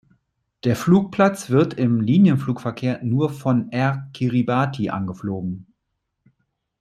Der Flugplatz wird im Linienflugverkehr nur von Air Kiribati angeflogen.